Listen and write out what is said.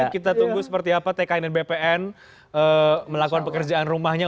kita tunggu seperti apa tkn dan bpn melakukan pekerjaan rumahnya